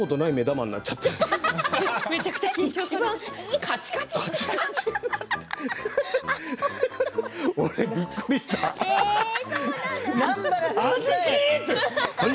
めちゃくちゃ緊張して。